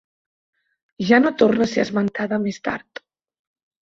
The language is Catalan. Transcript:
Ja no torna a ser esmentada més tard.